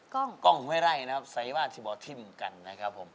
พี่กล้องไฮไล่นะครับไซว่าซิบอทิมกันนะครับผม